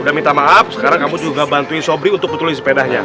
udah minta maaf sekarang kamu juga bantuin sobri untuk betulin sepedanya